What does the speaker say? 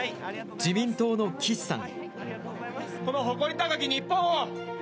自民党の岸さん。